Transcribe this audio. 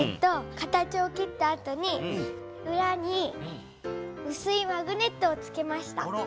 形を切ったあとにうらにうすいマグネットをつけました。